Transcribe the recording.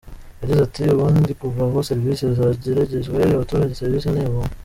Yagize ati “Ubundi kuva aho serivisi zegererejwe abaturage, serivisi ni ubuntu.